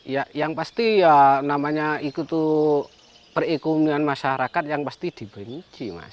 ya yang pasti ya namanya itu tuh perekonomian masyarakat yang pasti dibenci mas